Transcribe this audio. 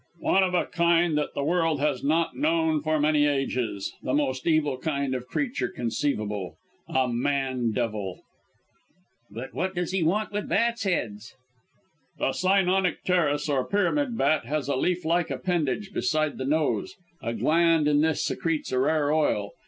"One of a kind that the world has not known for many ages! The most evil kind of creature conceivable a man devil!" "But what does he want with bats' heads?" "The Cynonycteris, or pyramid bat, has a leaf like appendage beside the nose. A gland in this secretes a rare oil.